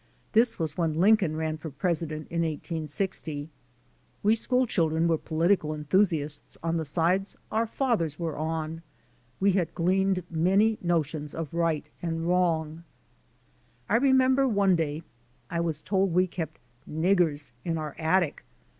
This was when Lincoln ran for President in 1860. We school children were political enthusiasts on the sides our fathers were on. We had gleaned many notions of right and wrong. I remember one day I was told we kept niggers'' in our attic.